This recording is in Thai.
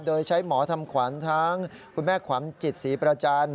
โดยใช้หมอทำขวัญทั้งคุณแม่ขวัญจิตศรีประจันทร์